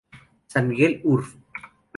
San Miguel, Urb.